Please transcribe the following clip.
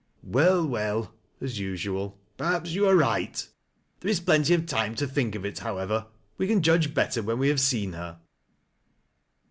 " Well, well," as usual, " perhaps you are right. There 19 plenty of time to think of it, however. We can jiidge better when we have seen her."